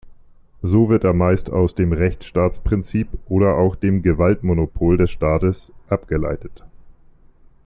So wird er meist aus dem Rechtsstaatsprinzip oder auch dem Gewaltmonopol des Staates abgeleitet.